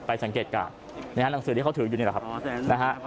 สังเกตการณ์หนังสือที่เขาถืออยู่นี่แหละครับนะฮะ